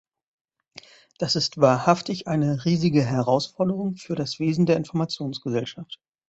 Das ist wahrhaftig eine riesige Herausforderung für das Wesen der Informationsgesellschaft.